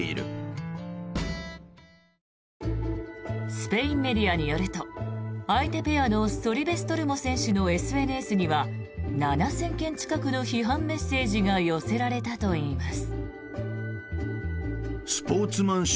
スペインメディアによると相手ペアのソリベストルモ選手のＳＮＳには７０００件近くの批判メッセージが寄せられたといいます。